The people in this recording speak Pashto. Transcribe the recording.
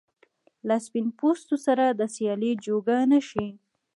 له سپین پوستو سره د سیالۍ جوګه نه شي.